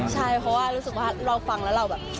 ใช่เพราะว่ารู้สึกว่าเราฟังแล้วเราแบบ